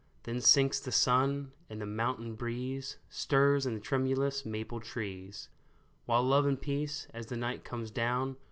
Then sinks the sun, and the mountain breeze Stirs in the tremulous maple trees ; While Love and Peace, as the night comes down.